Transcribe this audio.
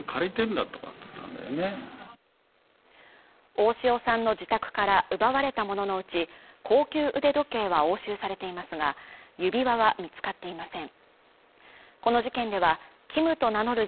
大塩さんの自宅から奪われたもののうち高級腕時計は押収されていますが、指輪は見つかっていません。